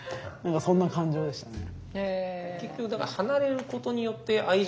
そんな感情でしたね。